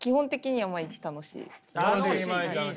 楽しい。